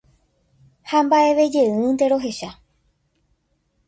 Ha mba'evejeýnte rohecha.